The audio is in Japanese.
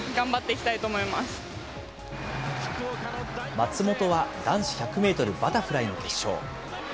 松元は男子１００メートルバタフライの決勝。